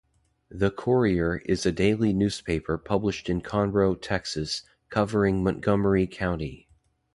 "The Courier" is a daily newspaper published in Conroe, Texas, covering Montgomery County.